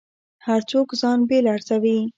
هر څوک ځان بېل ارزوي.